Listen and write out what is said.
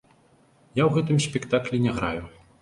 Я ў гэтым спектаклі не граю.